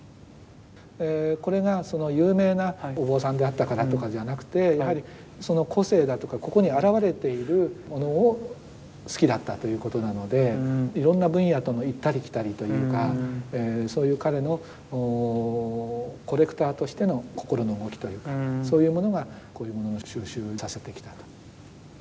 これが有名なお坊さんであったからとかじゃなくてやはりその個性だとかここに現れているものを好きだったということなのでいろんな分野との行ったり来たりというかそういう彼のコレクターとしての心の動きというかそういうものがこういうものの蒐集をさせてきたと。